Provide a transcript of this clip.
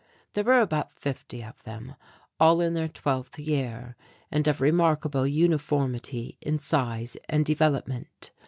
There were about fifty of them, all in their twelfth year, and of remarkable uniformity in size and development.